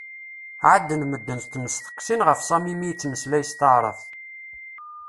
ɛaden medden ttmesteqsin ɣef Sami mi yettmeslay s taεrabt.